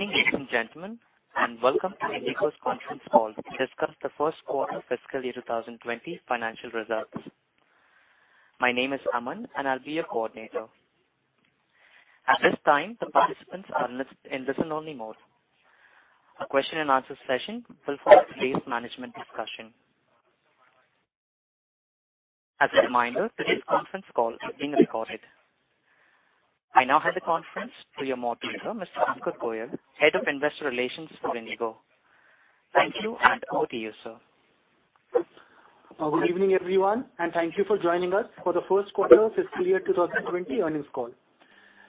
Good evening, ladies and gentlemen, welcome to IndiGo's conference call to discuss the first quarter fiscal year 2020 financial results. My name is Aman, I'll be your coordinator. At this time, the participants are in listen only mode. A question and answer session will follow today's management discussion. As a reminder, today's conference call is being recorded. I now hand the conference to your moderator, Mr. Ankur Goel, Head of Investor Relations for IndiGo. Thank you, over to you, sir. Good evening, everyone, thank you for joining us for the first quarter fiscal year 2020 earnings call.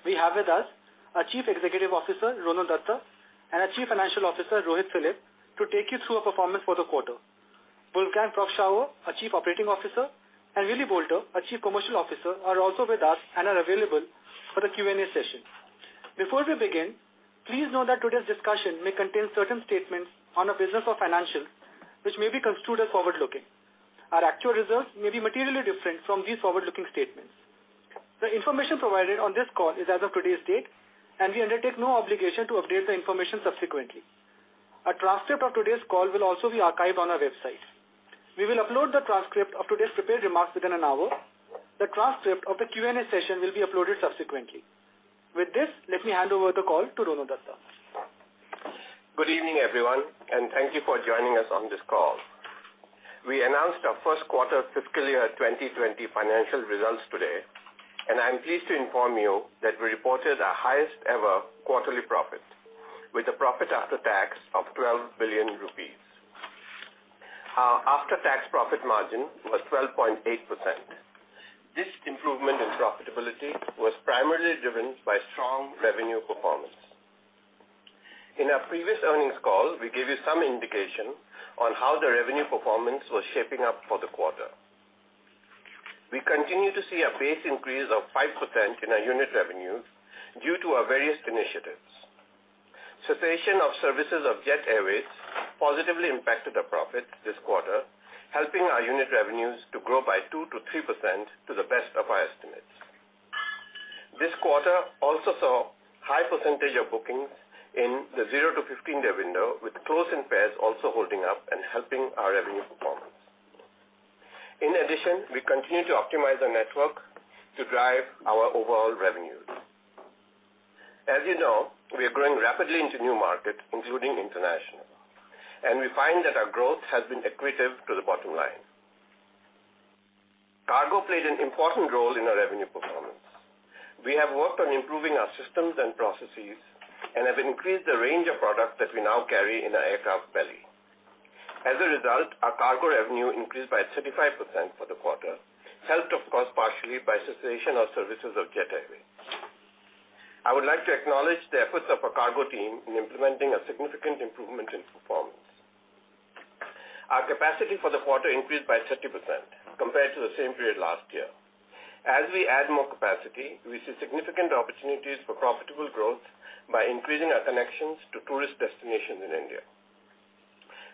We have with us our Chief Executive Officer, Rono Dutta, and our Chief Financial Officer, Rohit Philip, to take you through our performance for the quarter. Wolfgang Prock-Schauer, our Chief Operating Officer, and Willy Boulter, our Chief Commercial Officer, are also with us and are available for the Q&A session. Before we begin, please know that today's discussion may contain certain statements on our business or financials which may be construed as forward-looking. Our actual results may be materially different from these forward-looking statements. The information provided on this call is as of today's date, we undertake no obligation to update the information subsequently. A transcript of today's call will also be archived on our website. We will upload the transcript of today's prepared remarks within an hour. The transcript of the Q&A session will be uploaded subsequently. With this, let me hand over the call to Rono Dutta. Good evening, everyone, thank you for joining us on this call. We announced our first quarter fiscal year 2020 financial results today, I'm pleased to inform you that we reported our highest ever quarterly profit, with a profit after tax of 12 billion rupees. Our after-tax profit margin was 12.8%. This improvement in profitability was primarily driven by strong revenue performance. In our previous earnings call, we gave you some indication on how the revenue performance was shaping up for the quarter. We continue to see a base increase of 5% in our unit revenues due to our various initiatives. Cessation of services of Jet Airways positively impacted our profit this quarter, helping our unit revenues to grow by 2%-3% to the best of our estimates. This quarter also saw high percentage of bookings in the 0-15 day window, with close-in fares also holding up and helping our revenue performance. In addition, we continue to optimize our network to drive our overall revenues. As you know, we are growing rapidly into new markets, including international, and we find that our growth has been accretive to the bottom line. Cargo played an important role in our revenue performance. We have worked on improving our systems and processes and have increased the range of products that we now carry in our aircraft belly. As a result, our cargo revenue increased by 35% for the quarter, helped of course, partially by cessation of services of Jet Airways. I would like to acknowledge the efforts of our cargo team in implementing a significant improvement in performance. Our capacity for the quarter increased by 30% compared to the same period last year. As we add more capacity, we see significant opportunities for profitable growth by increasing our connections to tourist destinations in India.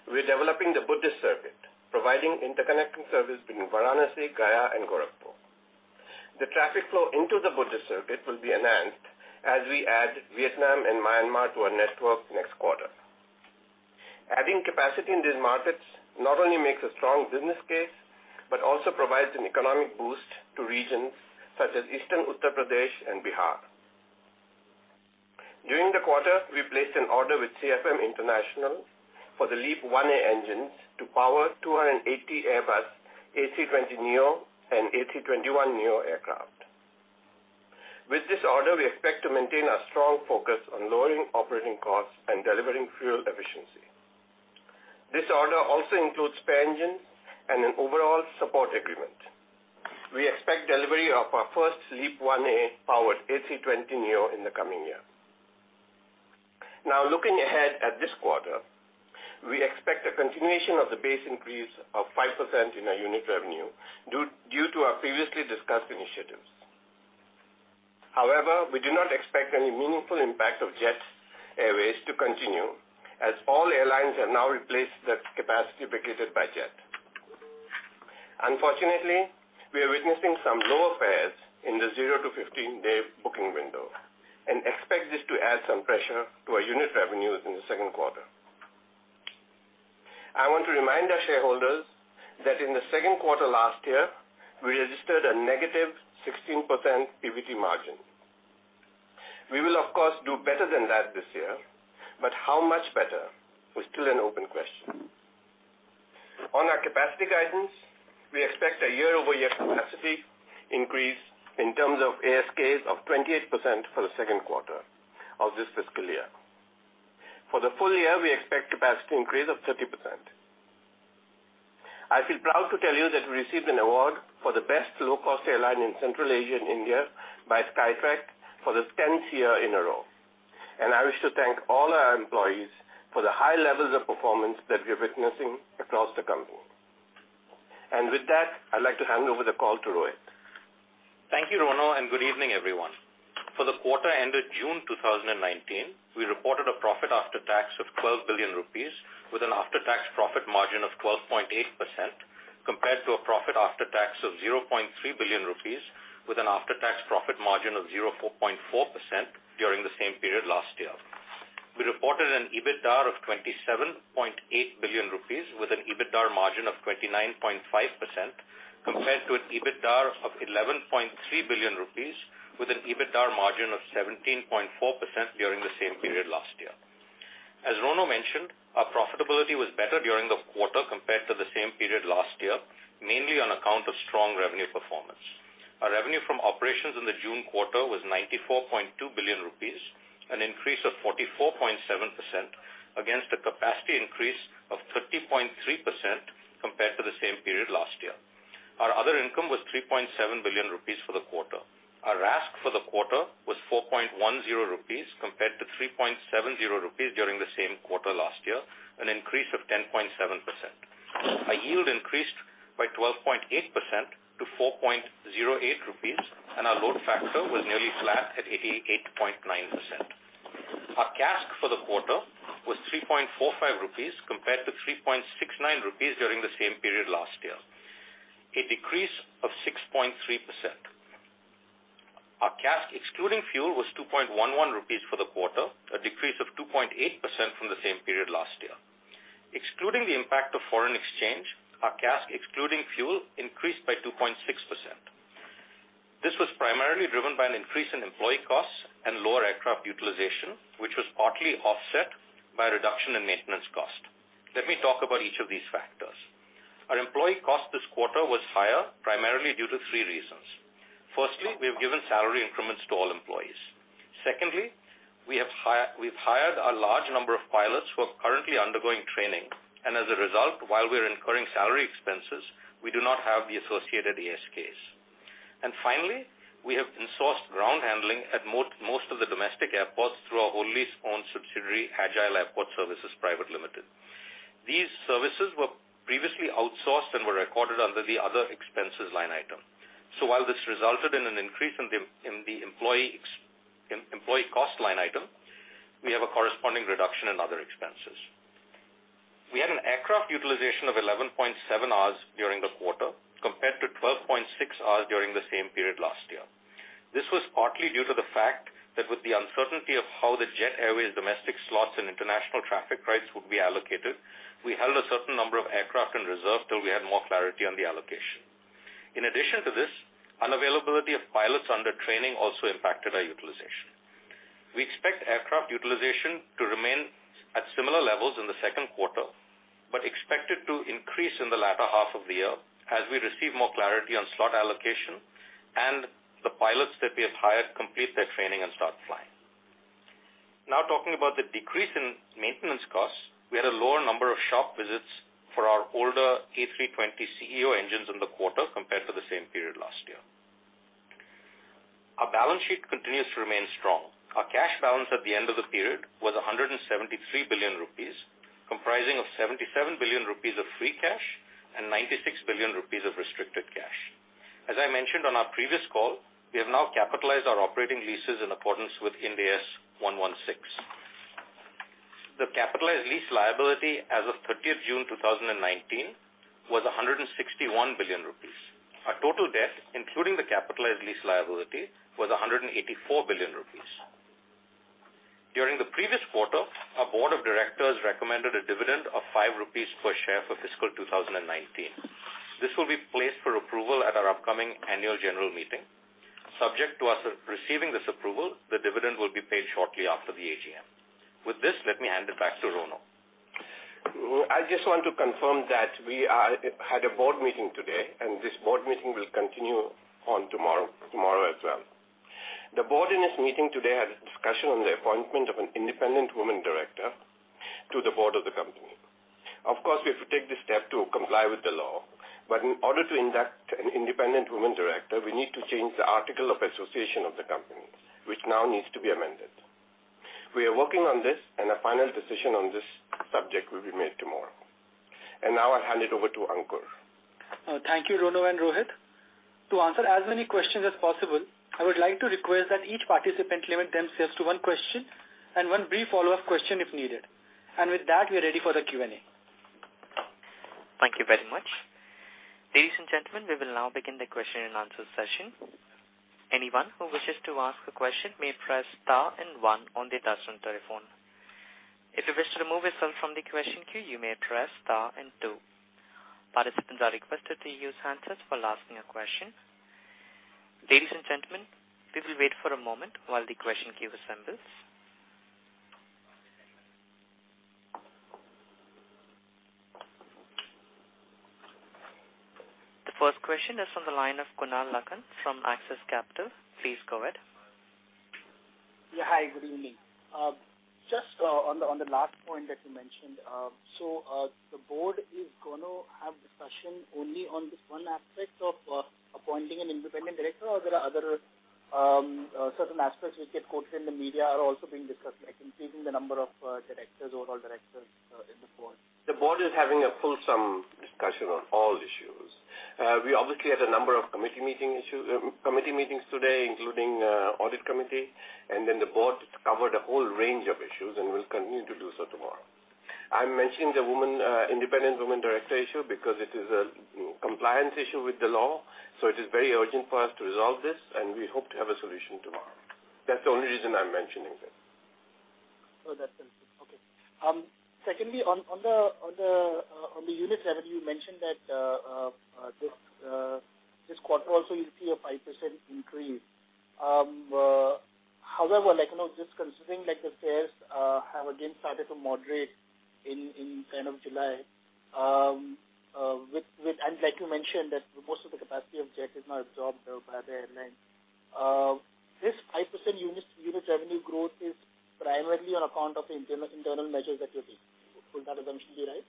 We are developing the Buddhist Circuit, providing interconnecting service between Varanasi, Gaya, and Gorakhpur. The traffic flow into the Buddhist Circuit will be enhanced as we add Vietnam and Myanmar to our network next quarter. Adding capacity in these markets not only makes a strong business case but also provides an economic boost to regions such as Eastern Uttar Pradesh and Bihar. During the quarter, we placed an order with CFM International for the LEAP-1A engines to power 280 Airbus A320neo and A321neo aircraft. With this order, we expect to maintain our strong focus on lowering operating costs and delivering fuel efficiency. This order also includes spare engines and an overall support agreement. We expect delivery of our first LEAP-1A powered A320neo in the coming year. Now looking ahead at this quarter, we expect a continuation of the base increase of 5% in our unit revenue due to our previously discussed initiatives. However, we do not expect any meaningful impact of Jet Airways to continue as all airlines have now replaced the capacity vacated by Jet. Unfortunately, we are witnessing some lower fares in the 0-15 day booking window and expect this to add some pressure to our unit revenues in the second quarter. I want to remind our shareholders that in the second quarter last year, we registered a -16% PBT margin. We will of course do better than that this year, but how much better is still an open question. On our capacity guidance, we expect a year-over-year capacity increase in terms of ASKs of 28% for the second quarter of this fiscal year. For the full year, we expect capacity increase of 30%. I feel proud to tell you that we received an award for the best low-cost airline in Central Asia and India by Skytrax for the 10th year in a row. I wish to thank all our employees for the high levels of performance that we're witnessing across the company. With that, I'd like to hand over the call to Rohit. Thank you, Rono, and good evening, everyone. For the quarter ended June 2019, we reported a profit after tax of 12 billion rupees with an after-tax profit margin of 12.8%. Compared to a profit after tax of 0.3 billion rupees, with an after-tax profit margin of 0.4% during the same period last year. We reported an EBITDAR of 27.8 billion rupees with an EBITDAR margin of 29.5%, compared to an EBITDAR of 11.3 billion rupees with an EBITDAR margin of 17.4% during the same period last year. As Rono mentioned, our profitability was better during the quarter compared to the same period last year, mainly on account of strong revenue performance. Our revenue from operations in the June quarter was 94.2 billion rupees, an increase of 44.7% against a capacity increase of 30.3% compared to the same period last year. Our other income was 3.7 billion rupees for the quarter. Our RASK for the quarter was 4.10 rupees compared to 3.70 rupees during the same quarter last year, an increase of 10.7%. Our yield increased by 12.8% to 4.08 rupees, and our load factor was nearly flat at 88.9%. Our CASK for the quarter was 3.45 rupees compared to 3.69 rupees during the same period last year, a decrease of 6.3%. Our CASK excluding fuel was 2.11 rupees for the quarter, a decrease of 2.8% from the same period last year. Excluding the impact of foreign exchange, our CASK excluding fuel increased by 2.6%. This was primarily driven by an increase in employee costs and lower aircraft utilization, which was partly offset by a reduction in maintenance cost. Let me talk about each of these factors. Our employee cost this quarter was higher, primarily due to three reasons. Firstly, we have given salary increments to all employees. Secondly, we've hired a large number of pilots who are currently undergoing training, and as a result, while we are incurring salary expenses, we do not have the associated ASKs. Finally, we have insourced ground handling at most of the domestic airports through our wholly-owned subsidiary, AGILE AIRPORT SERVICES PRIVATE LIMITED. These services were previously outsourced and were recorded under the other expenses line item. While this resulted in an increase in the employee cost line item, we have a corresponding reduction in other expenses. We had an aircraft utilization of 11.7 hours during the quarter, compared to 12.6 hours during the same period last year. This was partly due to the fact that with the uncertainty of how the Jet Airways domestic slots and international traffic rights would be allocated, we held a certain number of aircraft in reserve till we had more clarity on the allocation. In addition to this, unavailability of pilots under training also impacted our utilization. We expect aircraft utilization to remain at similar levels in the second quarter, but expect it to increase in the latter half of the year as we receive more clarity on slot allocation and the pilots that we have hired complete their training and start flying. Now talking about the decrease in maintenance costs, we had a lower number of shop visits for our older A320ceo engines in the quarter compared to the same period last year. Our balance sheet continues to remain strong. Our cash balance at the end of the period was 173 billion rupees, comprising of 77 billion rupees of free cash and 96 billion rupees of restricted cash. As I mentioned on our previous call, we have now capitalized our operating leases in accordance with Ind AS 116. The capitalized lease liability as of 30th June 2019 was 161 billion rupees. Our total debt, including the capitalized lease liability, was 184 billion rupees. During the previous quarter, our Board of directors recommended a dividend of 5 rupees per share for fiscal 2019. This will be placed for approval at our upcoming annual general meeting. Subject to us receiving this approval, the dividend will be paid shortly after the AGM. Let me hand it back to Rono. I just want to confirm that we had a Board meeting today. This Board meeting will continue on tomorrow as well. The Board in its meeting today had a discussion on the appointment of an independent woman director to the Board of the company. Of course, we have to take this step to comply with the law. In order to induct an independent woman director, we need to change the article of association of the company, which now needs to be amended. We are working on this. A final decision on this subject will be made tomorrow. Now I'll hand it over to Ankur. Thank you, Rono and Rohit. To answer as many questions as possible, I would like to request that each participant limit themselves to one question and one brief follow-up question if needed. With that, we are ready for the Q&A. Thank you very much. Ladies and gentlemen, we will now begin the question and answer session. Anyone who wishes to ask a question may press star and one on their touchtone telephone. If you wish to remove yourself from the question queue, you may press star and two. Participants are requested to use handsets for asking a question. Ladies and gentlemen, we will wait for a moment while the question queue assembles. The first question is from the line of Kunal Lakhan from Axis Capital. Please go ahead. Hi, good evening. Just on the last point that you mentioned. The Board is going to have discussion only on this one aspect of appointing an independent director, or there are other certain aspects which get quoted in the media are also being discussed, like increasing the number of directors, overall directors in the Board? The Board is having a full sum discussion on all issues. We obviously had a number of committee meetings today, including Audit Committee. The Board covered a whole range of issues and will continue to do so tomorrow. I mentioned the independent woman director issue because it is a compliance issue with the law, it is very urgent for us to resolve this. We hope to have a solution tomorrow. That's the only reason I'm mentioning this. That's interesting. Okay. Secondly, on the unit revenue, you mentioned that this quarter also you'll see a 5% increase. However, just considering the sales have again started to moderate in July. Like you mentioned, that most of the capacity of Jet is now absorbed by the airlines. This 5% unit revenue growth is primarily on account of the internal measures that you're taking. Would that assumption be right?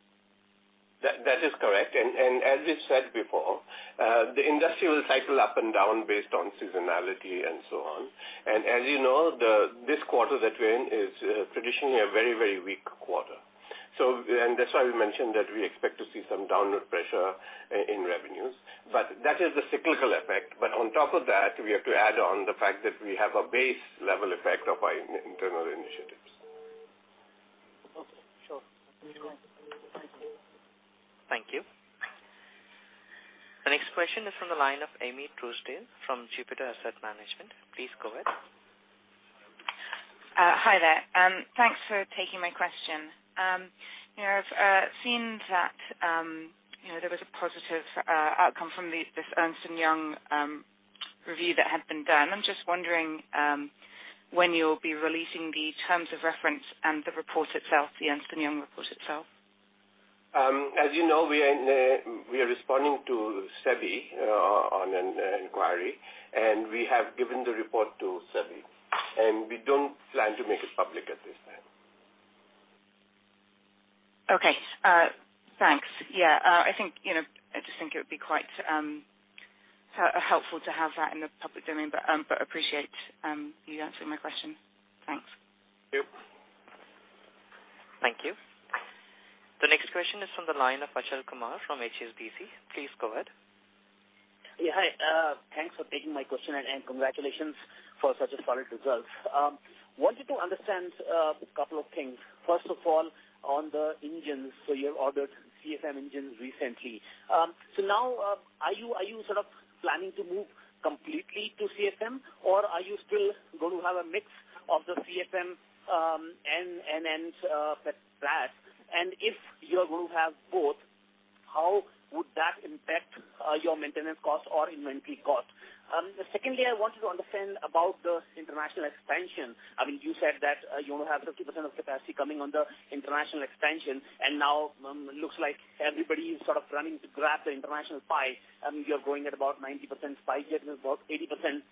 That is correct. As we said before, the industry will cycle up and down based on seasonality and so on. As you know, this quarter that we're in is traditionally a very, very weak quarter. That's why we mentioned that we expect to see some downward pressure in revenues. That is the cyclical effect. On top of that, we have to add on the fact that we have a base level effect of our internal initiatives. Okay, sure. Thank you. Thank you. The next question is from the line of Aimee Truesdale from Jupiter Asset Management. Please go ahead. Hi there. Thanks for taking my question. I've seen that there was a positive outcome from this Ernst & Young review that had been done. I'm just wondering when you'll be releasing the terms of reference and the report itself, the Ernst & Young report itself. As you know, we are responding to SEBI on an inquiry, and we have given the report to SEBI. We don't plan to make it public at this time. Okay. Thanks. Yeah. I just think it would be quite helpful to have that in the public domain, but appreciate you answering my question. Thanks. Thank you. Thank you. The next question is from the line of Achal Kumar from HSBC. Please go ahead. Yeah, hi. Thanks for taking my question and congratulations for such a solid result. Wanted to understand a couple of things. First of all, on the engines, so you have ordered CFM engines recently. Now, are you planning to move completely to CFM, or are you still going to have a mix of the CFM and Pratt? If you're going to have both, how would that impact your maintenance cost or inventory cost? Secondly, I wanted to understand about the international expansion. You said that you only have 50% of capacity coming on the international expansion, and now it looks like everybody is running to grab the international pie. You're growing at about 90%, SpiceJet is about 80%,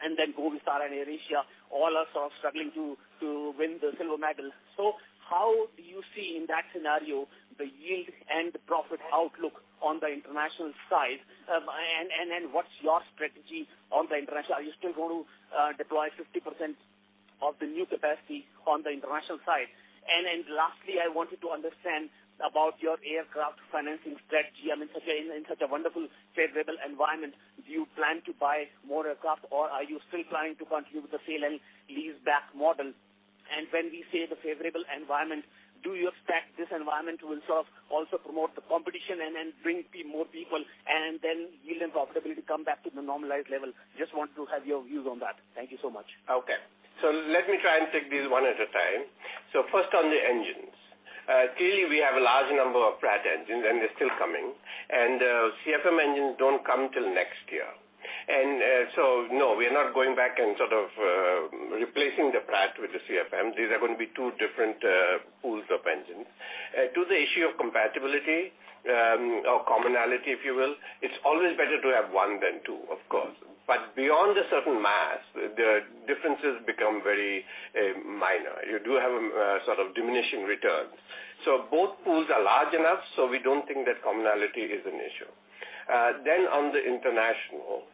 and then Go, Vistara, and AirAsia all are struggling to win the silver medal. How do you see in that scenario, the yield and the profit outlook on the international side? And then what is your strategy on the international? Are you still going to deploy 50% of the new capacity on the international side? And then lastly, I wanted to understand about your aircraft financing strategy. In such a wonderful, favorable environment, do you plan to buy more aircraft, or are you still planning to continue with the sale and leaseback model? When we say the favorable environment, do you expect this environment will also promote the competition and then bring more people, and then yield and profitability come back to the normalized level? Just want to have your views on that. Thank you so much. Let me try and take these one at a time. First on the engines. Clearly we have a large number of Pratt engines and they are still coming. CFM engines do not come until next year. No, we are not going back and replacing the Pratt with the CFM. These are going to be two different pools of engines. To the issue of compatibility, or commonality, if you will, it is always better to have one than two, of course. But beyond a certain mass, the differences become very minor. You do have diminishing returns. Both pools are large enough, so we do not think that commonality is an issue. Then on the international.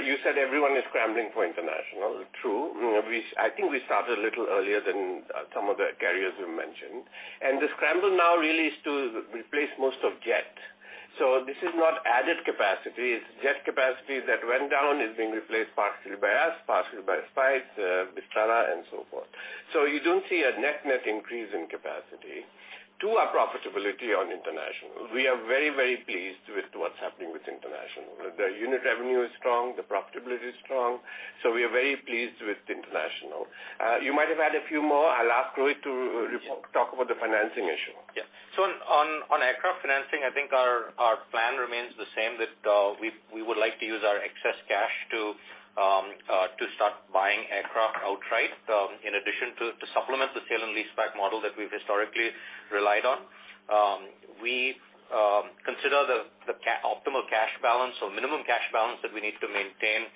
You said everyone is scrambling for international, true. I think we started a little earlier than some of the carriers you mentioned. The scramble now really is to replace most of Jet. This is not added capacity. It is Jet capacity that went down is being replaced partially by us, partially by Spice, Vistara, and so forth. You do not see a net increase in capacity. To our profitability on international. We are very, very pleased with what is happening with international. The unit revenue is strong, the profitability is strong, so we are very pleased with the international. You might have had a few more. I will ask Rohit to talk about the financing issue. On aircraft financing, I think our plan remains the same, that we would like to use our excess cash to start buying aircraft outright in addition to supplement the sale and leaseback model that we have historically relied on. We consider the optimal cash balance or minimum cash balance that we need to maintain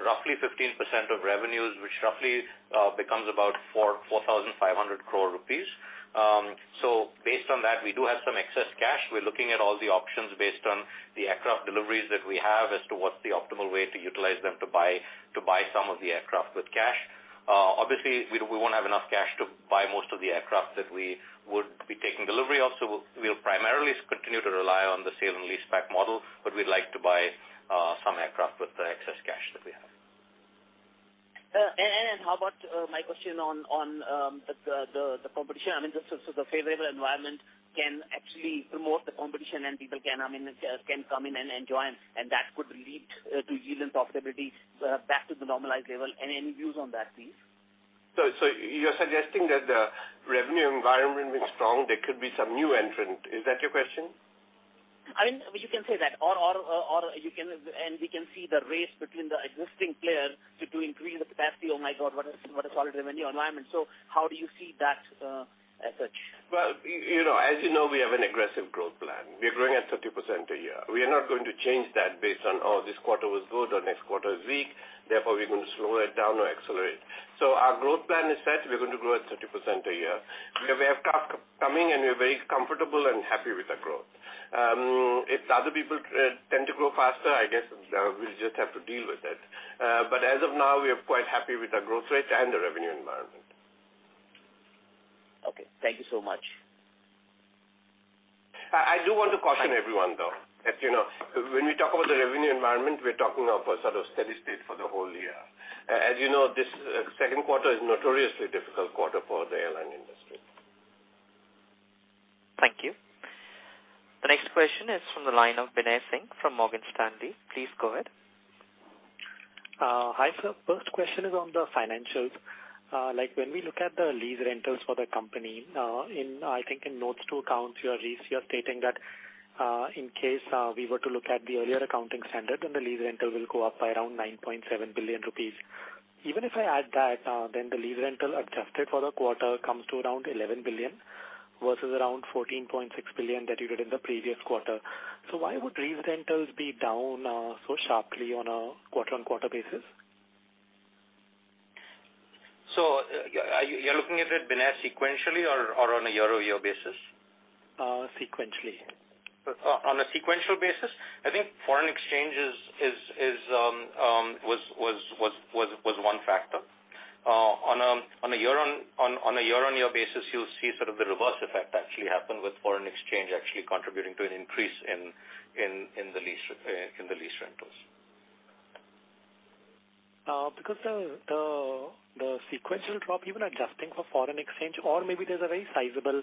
roughly 15% of revenues, which roughly becomes about 4,500 crore rupees. Based on that, we do have some excess cash. We are looking at all the options based on the aircraft deliveries that we have as to what is the optimal way to utilize them to buy some of the aircraft with cash. Obviously, we will not have enough cash to buy most of the aircraft that we would be taking delivery of, so we will primarily continue to rely on the sale and leaseback model, but we would like to buy some aircraft with the excess cash that we have. How about my question on the competition? I mean, the favorable environment can actually promote the competition and people can come in and join, and that could lead to yield and profitability back to the normalized level. Any views on that, please? You're suggesting that the revenue environment being strong, there could be some new entrant. Is that your question? I mean, you can say that. We can see the race between the existing players to increase the capacity. Oh, my God, what a solid revenue environment. How do you see that as such? Well, as you know, we have an aggressive growth plan. We are growing at 30% a year. We are not going to change that based on, this quarter was good or next quarter is weak, therefore, we're going to slow it down or accelerate. Our growth plan is set. We're going to grow at 30% a year. We have traffic coming, and we're very comfortable and happy with our growth. If other people tend to grow faster, I guess we'll just have to deal with it. As of now, we are quite happy with our growth rate and the revenue environment. Okay. Thank you so much. I do want to caution everyone, though, that when we talk about the revenue environment, we're talking of a sort of steady state for the whole year. As you know, this second quarter is a notoriously difficult quarter for the airline industry. Thank you. The next question is from the line of Binay Singh from Morgan Stanley. Please go ahead. Hi, sir. First question is on the financials. When we look at the lease rentals for the company, I think in notes to accounts you are stating that, in case we were to look at the earlier accounting standard, then the lease rental will go up by around 9.7 billion rupees. Even if I add that, then the lease rental adjusted for the quarter comes to around 11 billion versus around 14.6 billion that you did in the previous quarter. Why would lease rentals be down so sharply on a quarter-on-quarter basis? You're looking at it, Binay, sequentially or on a year-on-year basis? Sequentially. On a sequential basis? I think foreign exchange was one factor. On a year-on-year basis, you'll see sort of the reverse effect actually happen with foreign exchange actually contributing to an increase in the lease rentals. The sequential drop, even adjusting for foreign exchange, or maybe there's a very sizable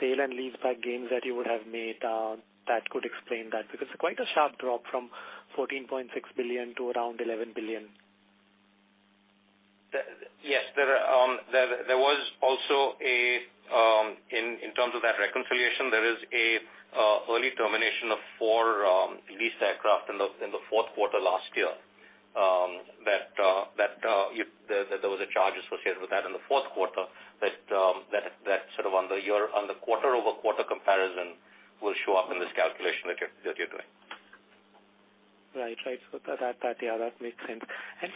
sale and lease-back gains that you would have made that could explain that, because it's quite a sharp drop from 14.6 billion to around 11 billion. Yes. In terms of that reconciliation, there is an early termination of four leased aircraft in the fourth quarter last year. There was a charge associated with that in the fourth quarter that on the quarter-over-quarter comparison will show up in this calculation that you're doing. That makes sense.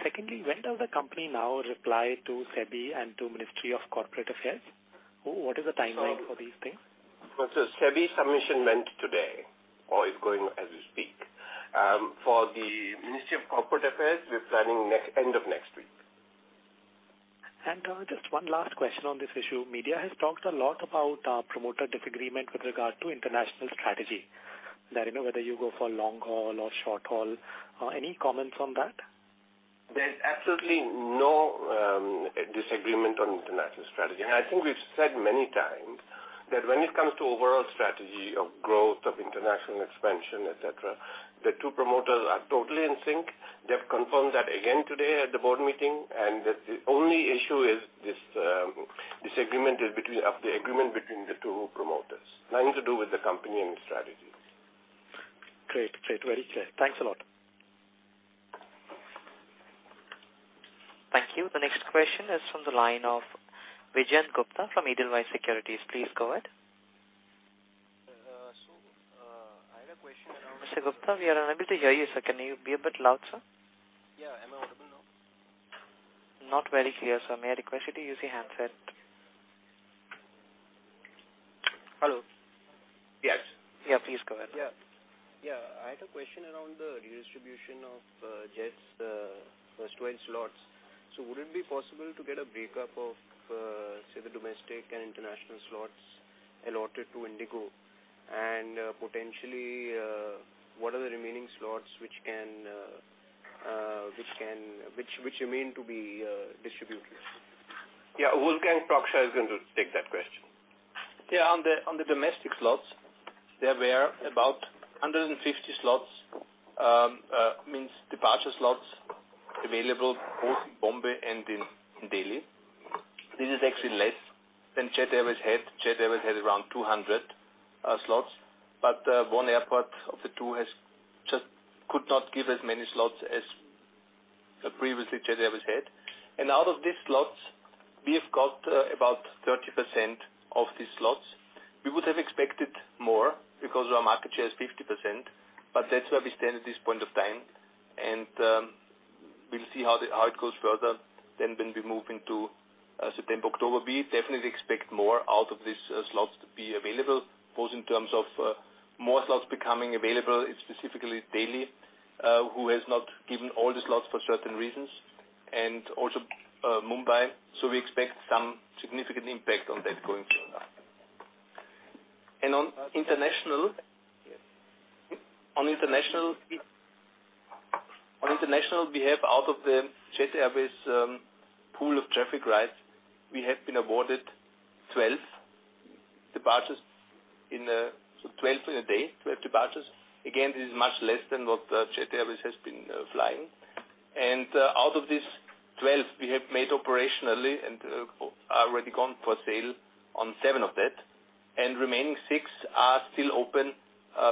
Secondly, when does the company now reply to SEBI and to Ministry of Corporate Affairs? What is the timeline for these things? SEBI submission went today or is going as we speak. For the Ministry of Corporate Affairs, we're planning end of next week. Rono, Just one last question on this issue. Media has talked a lot about promoter disagreement with regard to international strategy. That I don't know whether you go for long haul or short haul. Any comments on that? There's absolutely no disagreement on international strategy. I think we've said many times that when it comes to overall strategy of growth, of international expansion, et cetera, the two promoters are totally in sync. They have confirmed that again today at the Board meeting, and that the only issue is this disagreement of the agreement between the two promoters. Nothing to do with the company and its strategies. Great. Very clear. Thanks a lot. Thank you. The next question is from the line of Vijayant Gupta from Edelweiss Securities. Please go ahead. I had a question around. Mr. Gupta, we are unable to hear you, sir. Can you be a bit loud, sir? Yeah. Am I audible now? Not very clear, sir. May I request you to use a handset? Hello? Yes. Please go ahead. Yeah. I had a question around the redistribution of Jet's 12 slots. Would it be possible to get a breakup of, say, the domestic and international slots allotted to IndiGo? Potentially, what are the remaining slots which you mean to be distributed? Yeah. Wolfgang Prock-Schauer is going to take that question. Yeah. On the domestic slots, there were about 150 slots, means departure slots, available both in Mumbai and in Delhi. This is actually less than Jet Airways had. Jet Airways had around 200 slots. One airport of the two just could not give as many slots as previously Jet Airways had. Out of these slots, we have got about 30% of these slots. We would have expected more because our market share is 50%. That's where we stand at this point of time, and we'll see how it goes further then when we move into September, October. We definitely expect more out of these slots to be available, both in terms of more slots becoming available, specifically Delhi, who has not given all the slots for certain reasons, and also Mumbai. We expect some significant impact on that going forward. On international, we have out of the Jet Airways pool of traffic rights, we have been awarded 12 departures in a day, 12 departures. Again, this is much less than what Jet Airways has been flying. Out of these 12, we have made operationally and already gone for sale on seven of that, and remaining six are still open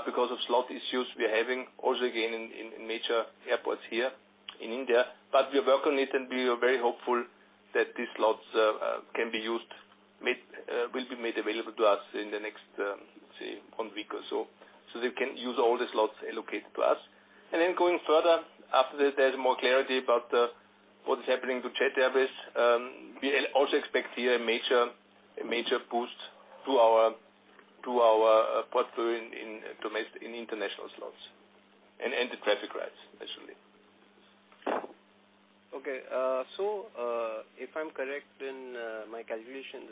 because of slot issues we are having also, again, in major airports here in India. We work on it and we are very hopeful that these slots can be used, will be made available to us in the next, let's say, one week or so we can use all the slots allocated to us. Going further, after there's more clarity about what is happening to Jet Airways, we also expect here a major boost to our portfolio in international slots and the traffic rights, actually. Okay. If I'm correct in my calculations,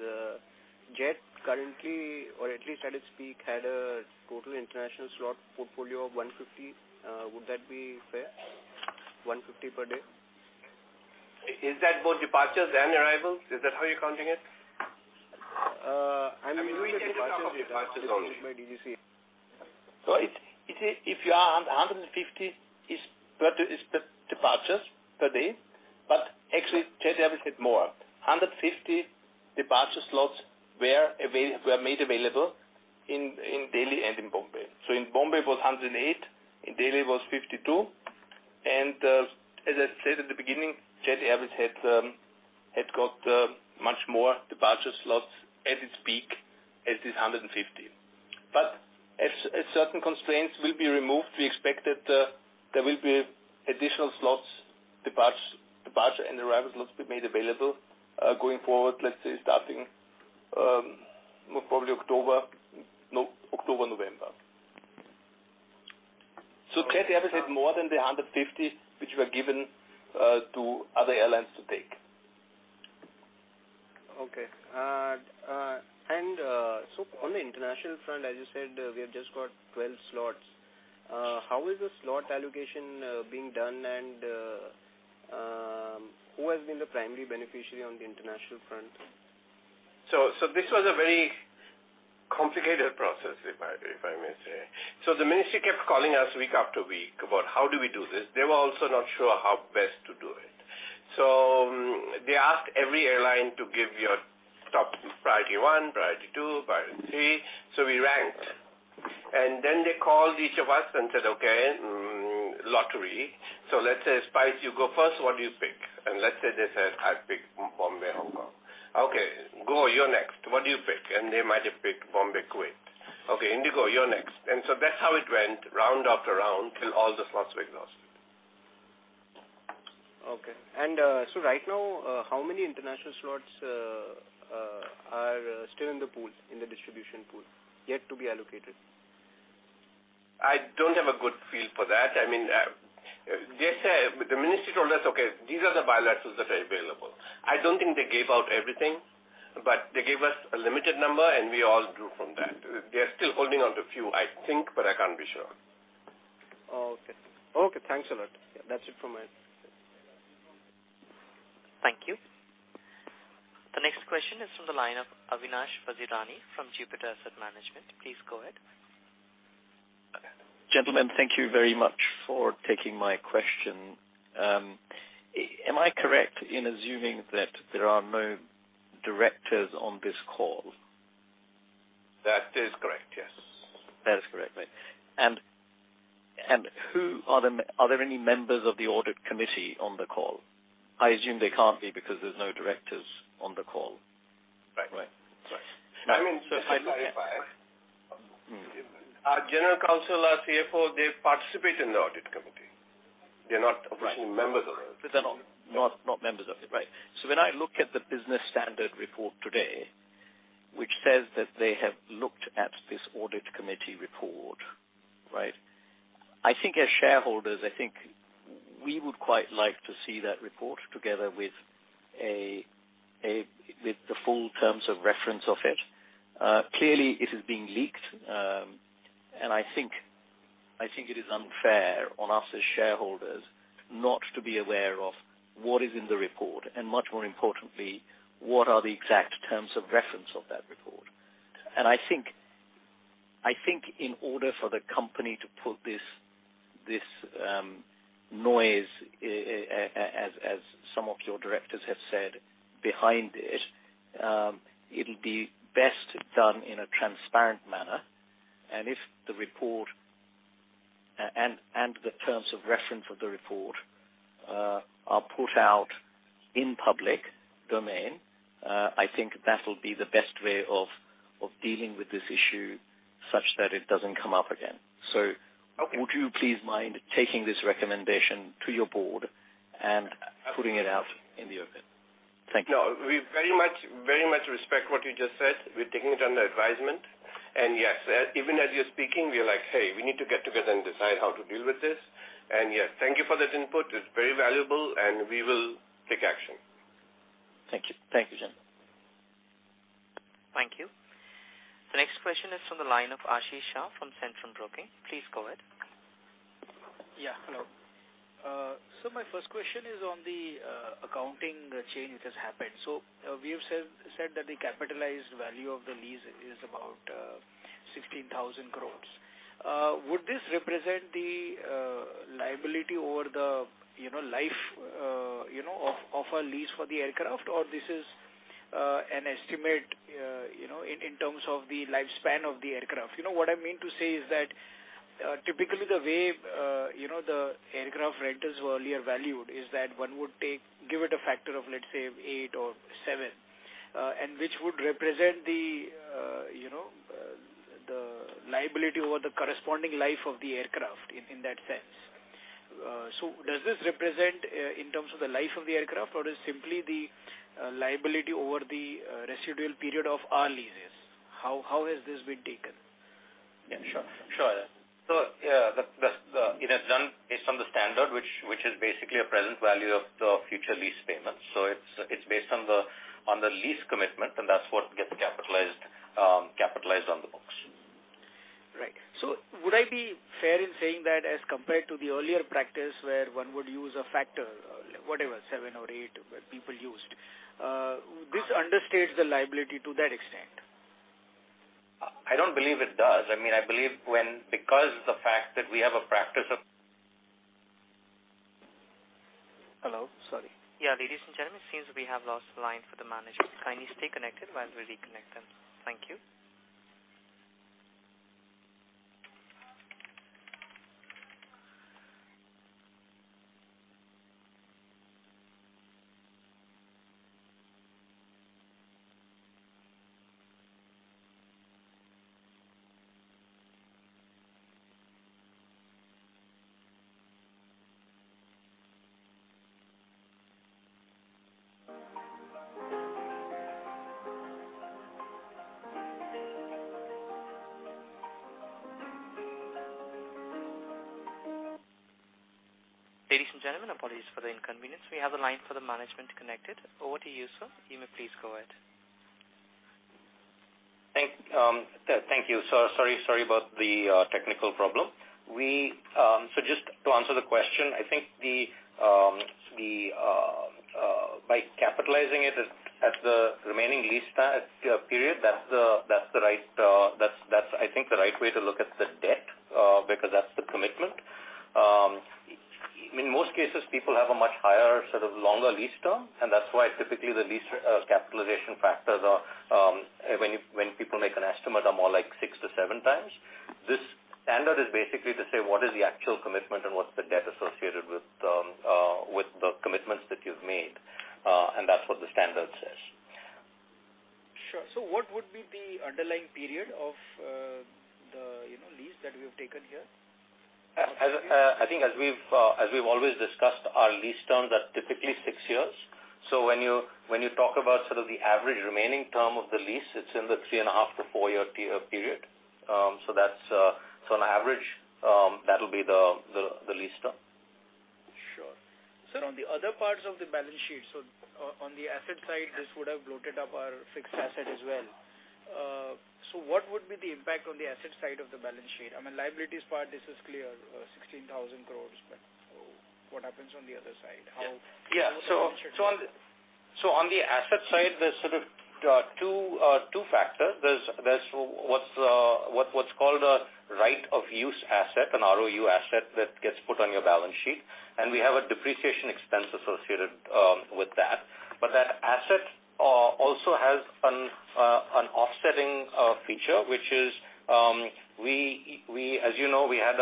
Jet currently, or at least at its peak, had a total international slot portfolio of 150. Would that be fair? 150 per day? Is that both departures and arrivals? Is that how you're counting it? I'm. If you are on 150, it's departures per day, but actually Jet Airways had more. 150 departure slots were made available in Delhi and in Bombay. In Bombay it was 108, in Delhi it was 52. As I said at the beginning, Jet Airways had got much more departure slots at its peak as this 150. As certain constraints will be removed, we expect that there will be additional slots, departure and arrival slots be made available, going forward, let's say, starting probably October. October, November. Jet Airways had more than the 150, which were given to other airlines to take. Okay. On the international front, as you said, we have just got 12 slots. How is the slot allocation being done, and who has been the primary beneficiary on the international front? This was a very complicated process, if I may say. The ministry kept calling us week after week about how do we do this. They were also not sure how best to do it. They asked every airline to give your top priority one, priority two, priority three. We ranked, and then they called each of us and said, okay, lottery. Let's say Spice, you go first. What do you pick? Let's say they said, I pick Bombay, Hong Kong. Okay, Go, you're next. What do you pick? They might have picked Bombay, Kuwait. Okay, IndiGo, you're next. That's how it went round after round till all the slots were exhausted. Okay. Right now, how many international slots are still in the pool, in the distribution pool, yet to be allocated? I don't have a good feel for that. The ministry told us, okay, these are the bilaterals that are available. I don't think they gave out everything, but they gave us a limited number, and we all drew from that. They're still holding on to a few, I think, but I can't be sure. Okay. Thanks a lot. That's it from my end. Thank you. The next question is from the line of Avinash Vazirani from Jupiter Asset Management. Please go ahead. Gentlemen, thank you very much for taking my question. Am I correct in assuming that there are no directors on this call? That is correct, yes. That is correct. Are there any members of the Audit Committee on the call? I assume they can't be because there's no directors on the call. Right. Right. Sorry. I mean, just to clarify, our General Counsel, our CFO, they participate in the Audit Committee. They're not officially members of it. They're not members of it. Right. When I look at the Business Standard report today, which says that they have looked at this Audit Committee report. Right? I think as shareholders, I think we would quite like to see that report together with the full terms of reference of it. Clearly it is being leaked, and I think it is unfair on us as shareholders not to be aware of what is in the report, and much more importantly, what are the exact terms of reference of that report. I think in order for the company to put this noise, as some of your directors have said, behind it'll be best done in a transparent manner. If the report and the terms of reference of the report are put out in public domain, I think that'll be the best way of dealing with this issue such that it doesn't come up again. Would you please mind taking this recommendation to your Board and putting it out in the open? Thank you. No, we very much respect what you just said. We're taking it under advisement. Yes, even as you're speaking, we are like, hey, we need to get together and decide how to deal with this. Yes, thank you for that input. It's very valuable, and we will take action. Thank you. Thank you. The next question is from the line of Ashish Shah from Centrum Broking. Please go ahead. Yeah. Hello. My first question is on the accounting change that has happened. We have said that the capitalized value of the lease is about 16,000 crore. Would this represent the liability over the life of a lease for the aircraft? Or this is an estimate in terms of the lifespan of the aircraft? What I mean to say is that, typically the way the aircraft rentals were earlier valued is that one would give it a factor of, let's say, eight or seven, and which would represent the liability over the corresponding life of the aircraft, in that sense. Does this represent in terms of the life of the aircraft or is simply the liability over the residual period of our leases? How has this been taken? Yeah, sure. It has done based on the standard, which is basically a present value of the future lease payments. It's based on the lease commitment, and that's what gets capitalized on the books. Right. Would I be fair in saying that as compared to the earlier practice where one would use a factor, whatever, seven or eight, this understates the liability to that extent? I don't believe it does. I believe when, because the fact that we have a practice of. Hello. Sorry. Yeah. Ladies and gentlemen, it seems we have lost the line for the managers. Kindly stay connected while we reconnect them. Thank you. Ladies and gentlemen, apologies for the inconvenience. We have the line for the management connected. Over to you, sir. You may please go ahead. Thank you. Sorry about the technical problem. Just to answer the question, I think by capitalizing it at the remaining lease period, that's, I think, the right way to look at the debt, because that's the commitment. In most cases, people have a much higher, longer lease term, and that's why typically the lease capitalization factors are, when people make an estimate, are more like 6x-7x. This standard is basically to say what is the actual commitment and what's the debt associated with the commitments that you've made. That's what the standard says. Sure. What would be the underlying period of the lease that we have taken here? I think as we've always discussed, our lease terms are typically six years. When you talk about the average remaining term of the lease, it's in the 3.5 to four-year period. On average, that'll be the lease term. Sure. Sir, on the other parts of the balance sheet, on the asset side, this would have loaded up our fixed asset as well. What would be the impact on the asset side of the balance sheet? Liabilities part, this is clear, 16,000 crores, what happens on the other side? Yeah. On the asset side, there's sort of two factors. There's what's called a right of use asset, an ROU asset that gets put on your balance sheet, and we have a depreciation expense associated with that. That asset also has an offsetting feature, which is, as you know, we had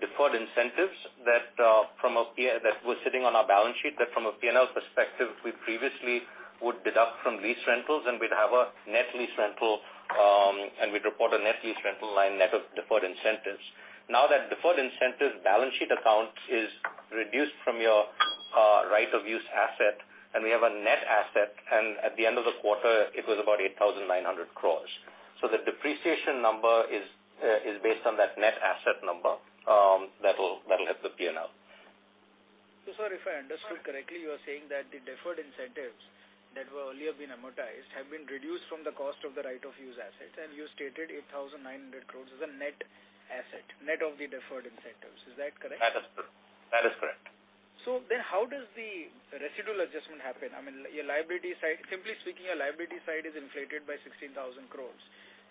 deferred incentives that were sitting on our balance sheet, that from a P&L perspective, we previously would deduct from lease rentals and we'd have a net lease rental, and we'd report a net lease rental line net of deferred incentives. Now that deferred incentives balance sheet account is reduced from your right of use asset, and we have a net asset, and at the end of the quarter, it was about 8,900 crores. The depreciation number is based on that net asset number. That'll hit the P&L. Sir, if I understood correctly, you are saying that the deferred incentives that were earlier been amortized have been reduced from the cost of the right of use assets, and you stated 8,900 crores is a net asset, net of the deferred incentives. Is that correct? That is correct. How does the residual adjustment happen? Your liability side, simply speaking, your liability side is inflated by 16,000 crore.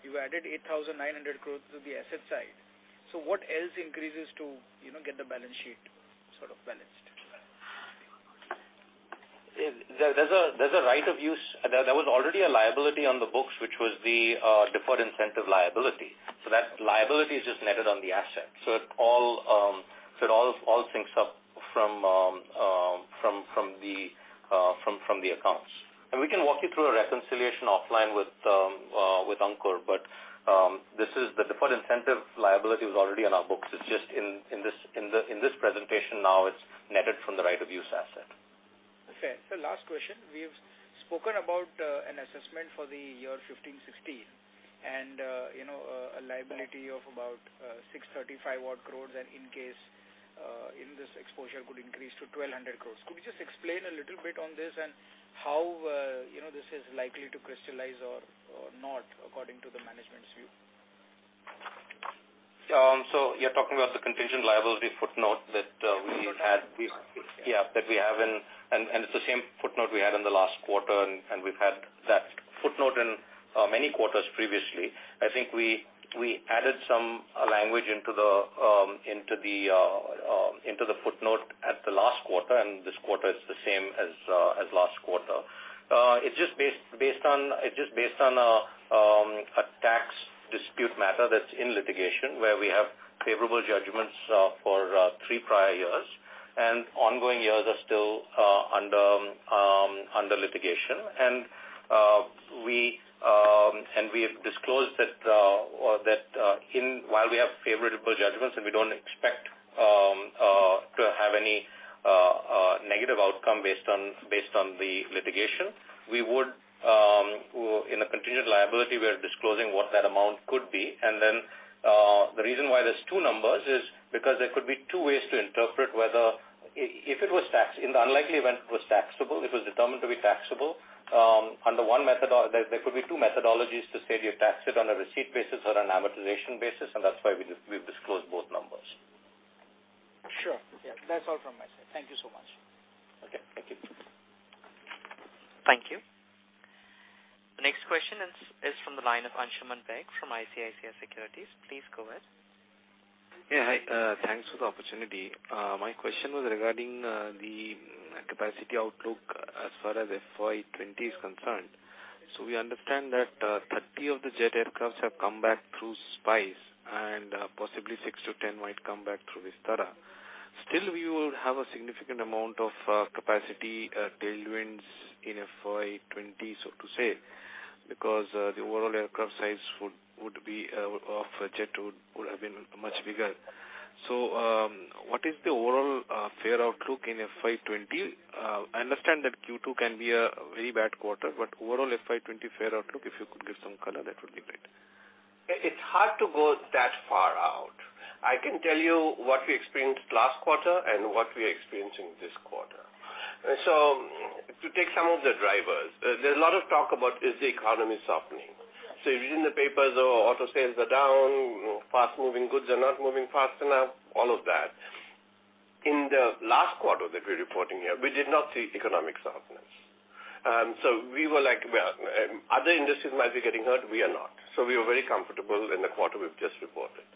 You added 8,900 crore to the asset side. What else increases to get the balance sheet balanced? There's a right of use. There was already a liability on the books, which was the deferred incentive liability. That liability is just netted on the asset. It all syncs up from the accounts. We can walk you through a reconciliation offline with Ankur, but the deferred incentive liability was already on our books. It's just in this presentation now, it's netted from the right of use asset. Okay. Sir, last question. We have spoken about an assessment for the year 2015, 2016. A liability of about 635-odd crore in this exposure could increase to 1,200 crore. Could you just explain a little bit on this and how this is likely to crystallize or not according to the management's view? You're talking about the contingent liability footnote that we had. Yeah. It's the same footnote we had in the last quarter, and we've had that footnote in many quarters previously. I think we added some language into the footnote at the last quarter, and this quarter is the same as last quarter. It's just based on a tax dispute matter that's in litigation where we have favorable judgments for three prior years, and ongoing years are still under litigation. We have disclosed that while we have favorable judgments and we don't expect to have any negative outcome based on the litigation. In a continued liability, we are disclosing what that amount could be. The reason why there's two numbers is because there could be two ways to interpret whether, in the unlikely event it taxable, It was determined to be taxable, there could be two methodologies to say do you tax it on a receipt basis or an amortization basis, and that's why we've disclosed both numbers. Sure. Yeah. That's all from my side. Thank you so much. Okay. Thank you. Thank you. The next question is from the line of Ansuman Deb from ICICI Securities. Please go ahead. Yeah, hi. Thanks for the opportunity. My question was regarding the capacity outlook as far as FY 2020 is concerned. We understand that 30 of the Jet aircrafts have come back through Spice, and possibly 6-10 might come back through Vistara. Still, we will have a significant amount of capacity tailwinds in FY 2020, so to say, because the overall aircraft size of Jet would have been much bigger. What is the overall fare outlook in FY 2020? I understand that Q2 can be a very bad quarter, but overall FY 2020 fare outlook, if you could give some color, that would be great. It's hard to go that far out. I can tell you what we experienced last quarter and what we're experiencing this quarter. To take some of the drivers, there's a lot of talk about is the economy softening. If you read in the papers, auto sales are down, fast-moving goods are not moving fast enough, all of that. In the last quarter that we're reporting here, we did not see economic softness. Other industries might be getting hurt, we are not. We were very comfortable in the quarter we've just reported.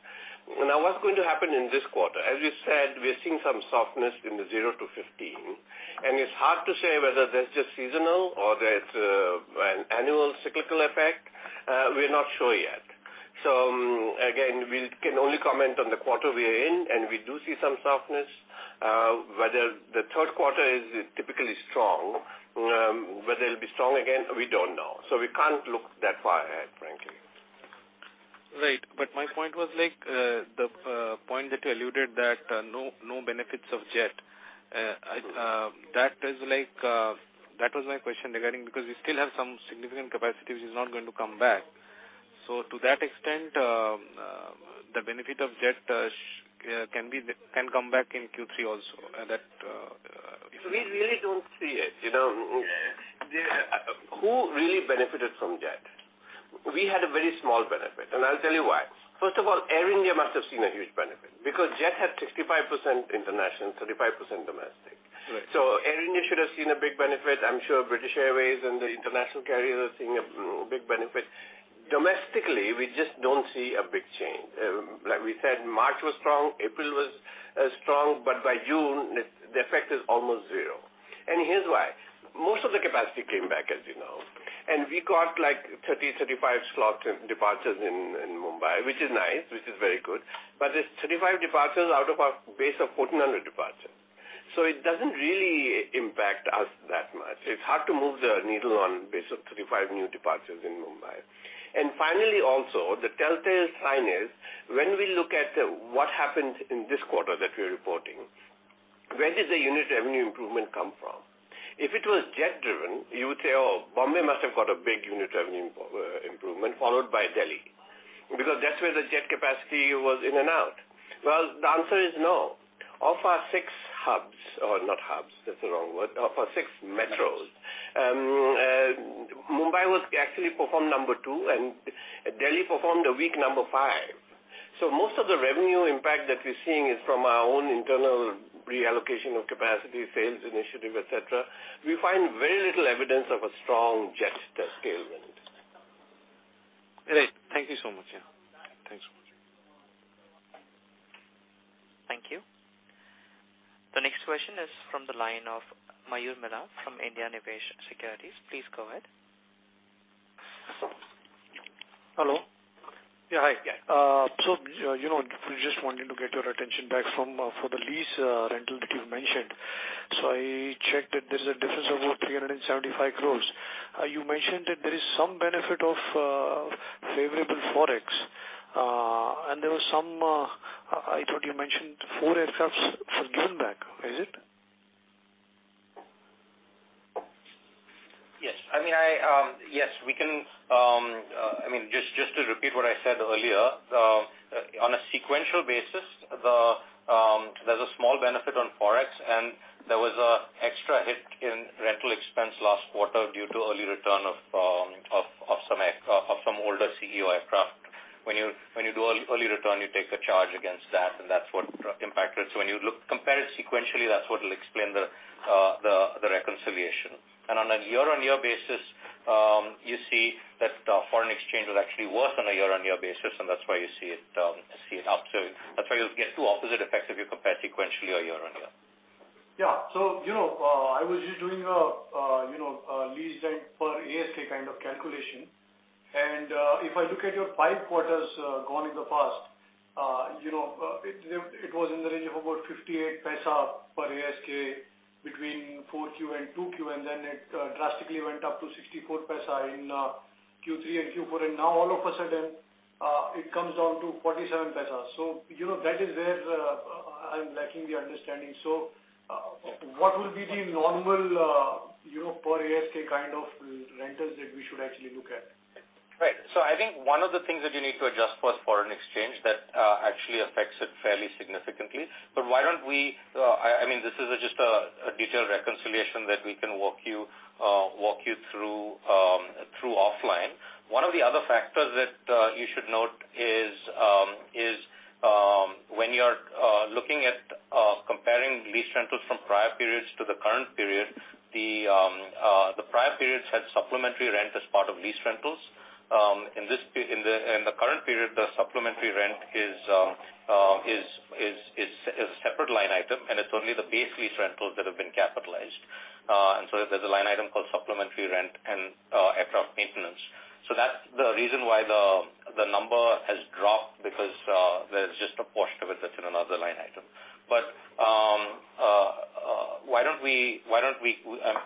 Now, what's going to happen in this quarter? As we said, we are seeing some softness in the 0-15, and it's hard to say whether that's just seasonal or that's an annual cyclical effect. We're not sure yet. Again, we can only comment on the quarter we are in, and we do see some softness. Whether the third quarter is typically strong, whether it'll be strong again, we don't know. We can't look that far ahead, frankly. Right. My point was the point that you alluded that no benefits of Jet. That was my question regarding, because you still have some significant capacity which is not going to come back. To that extent, the benefit of Jet can come back in Q3 also. We really don't see it. Who really benefited from Jet? We had a very small benefit, and I'll tell you why. First of all, Air India must have seen a huge benefit because Jet had 65% international, 35% domestic. Right. Air India should have seen a big benefit. I'm sure British Airways and the international carriers are seeing a big benefit. Domestically, we just don't see a big change. Like we said, March was strong, April was strong, but by June, the effect is almost zero. Here's why. Most of the capacity came back, as you know. We got 30, 35 slot departures in Mumbai, which is nice, which is very good. But it's 35 departures out of our base of 1,400 departures. It doesn't really impact us that much. It's hard to move the needle on the basis of 35 new departures in Mumbai. Finally, also, the telltale sign is when we look at what happened in this quarter that we're reporting, where did the unit revenue improvement come from? If it was Jet driven, you would say, oh, Mumbai must have got a big unit revenue improvement followed by Delhi. Because that's where the Jet capacity was in and out. Well, the answer is no. Of our six hubs, or not hubs, that's the wrong word. Of our six metros, Mumbai actually performed number two, and Delhi performed a weak number five. Most of the revenue impact that we're seeing is from our own internal reallocation of capacity, sales initiative, et cetera. We find very little evidence of a strong Jet tailwind. Great. Thank you so much. Yeah. Thanks. Thank you. The next question is from the line of Mayur Milak from IndiaNivesh Securities. Please go ahead. Hello. Yeah, hi. We just wanted to get your attention back for the lease rental that you've mentioned. I checked that there's a difference of about 375 crore. You mentioned that there is some benefit of favorable forex. I thought you mentioned four aircraft were given back. Is it? Just to repeat what I said earlier, on a sequential basis, there's a small benefit on forex, and there was an extra hit in rental expense last quarter due to early return of some older ceo aircraft. When you do early return, you take a charge against that, and that's what impacted. When you compare it sequentially, that's what will explain the reconciliation. On a year-on-year basis, you see that foreign exchange will actually work on a year-on-year basis, and that's why you see it up. That's why you'll get two opposite effects if you compare sequentially or year-on-year. I was just doing a lease rent per ASK kind of calculation, and if I look at your five quarters gone in the past, it was in the range of about 0.58 per ASK between Q4 and Q2, and then it drastically went up to 0.64 in Q3 and Q4. Now all of a sudden, it comes down to 0.47. That is where I'm lacking the understanding. What will be the normal per ASK kind of rentals that we should actually look at? I think one of the things that you need to adjust for is foreign exchange. That actually affects it fairly significantly. This is just a detailed reconciliation that we can walk you through offline. One of the other factors that you should note is when you are looking at comparing lease rentals from prior periods to the current period, the prior periods had supplementary rent as part of lease rentals. In the current period, the supplementary rent is a separate line item, and it's only the base lease rentals that have been capitalized. There's a line item called supplementary rent and aircraft maintenance. That's the reason why the number has dropped, because there's just a portion of it that's in another line item.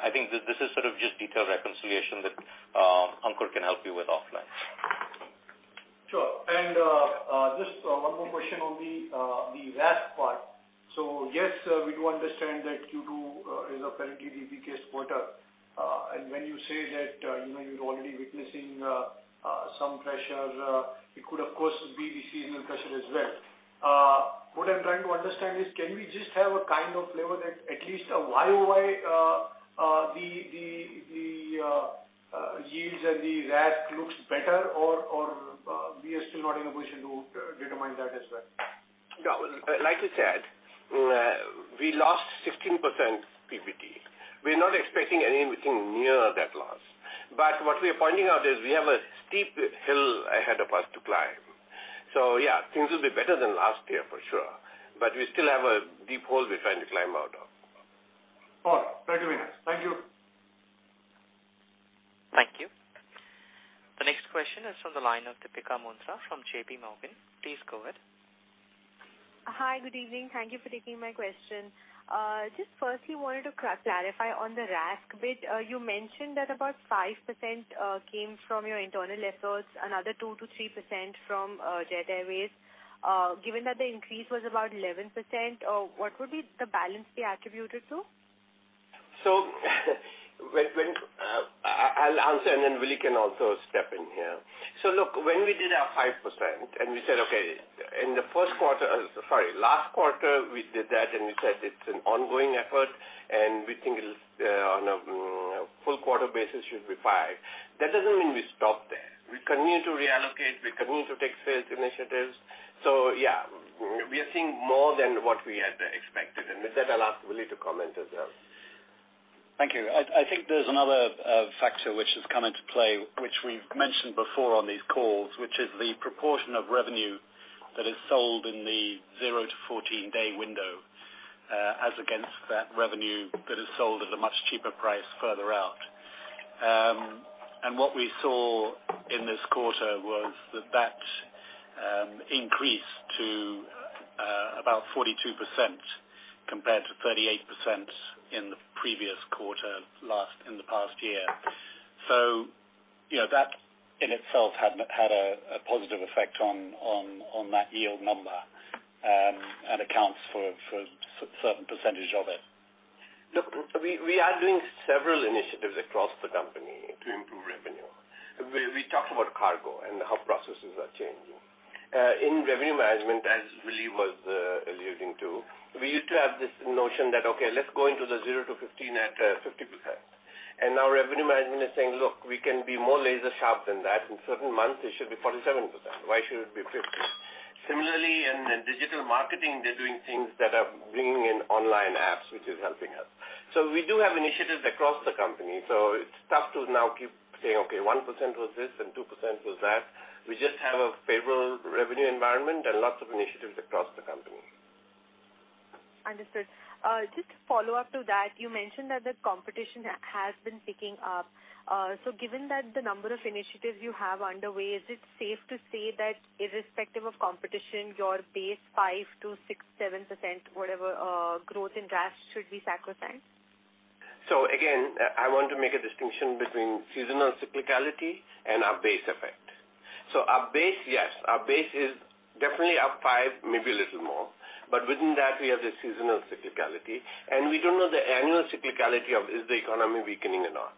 I think this is sort of just detailed reconciliation that Ankur can help you with offline. Sure. Just one more question on the RASK part. Yes, we do understand that Q2 is apparently the weakest quarter. When you say that you're already witnessing some pressure, it could, of course, be the seasonal pressure as well. What I'm trying to understand is, can we just have a kind of flavor that at least a YoY, the yields and the RASK looks better, or we are still not in a position to determine that as well? No. Like I said, we lost 16% PBT. We're not expecting anything near that loss. What we are pointing out is we have a steep hill ahead of us to climb. Yeah, things will be better than last year for sure. We still have a deep hole we're trying to climb out of. All right. Very nice. Thank you. Thank you. The next question is from the line of Deepika Mundra from JPMorgan. Please go ahead. Hi. Good evening. Thank you for taking my question. Just firstly wanted to clarify on the RASK bit. You mentioned that about 5% came from your internal efforts, another 2%-3% from Jet Airways. Given that the increase was about 11%, what would be the balance be attributed to? I'll answer, and then Willy can also step in here. Look, when we did our 5% and we said, okay, in the first quarter Sorry, last quarter, we did that, and we said it's an ongoing effort, and we think on a full quarter basis, it should be 5%. That doesn't mean we stop there. We continue to reallocate, we continue to take sales initiatives. Yeah, we are seeing more than what we had expected. With that, I'll ask Willy to comment as well. Thank you. I think there's another factor which has come into play, which we've mentioned before on these calls, which is the proportion of revenue that is sold in the 0-14 day window as against that revenue that is sold at a much cheaper price further out. What we saw in this quarter was that increased to about 42% compared to 38% in the previous quarter in the past year. That in itself had a positive effect on that yield number, and accounts for a certain percentage of it. Look, we are doing several initiatives across the company to improve revenue. We talked about cargo and how processes are changing. In revenue management, as Willy was alluding to, we used to have this notion that, okay, let's go into the 0-15 at 50%. Now revenue management is saying, look, we can be more laser sharp than that. In certain months, it should be 47%. Why should it be 50%? Similarly, in digital marketing, they're doing things that are bringing in online apps, which is helping us. We do have initiatives across the company. It's tough to now keep saying, okay, 1% was this and 2% was that. We just have a favorable revenue environment and lots of initiatives across the company. Understood. Just to follow up to that, you mentioned that the competition has been picking up. Given that the number of initiatives you have underway, is it safe to say that irrespective of competition, your base 5%-6%, 7%, whatever growth in RASK should be? Again, I want to make a distinction between seasonal cyclicality and our base effect. Our base, yes. Our base is definitely up 5%, maybe a little more. Within that, we have the seasonal cyclicality, and we don't know the annual cyclicality of, is the economy weakening or not?